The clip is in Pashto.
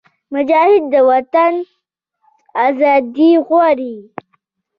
مجاهد د وطن ازادي غواړي.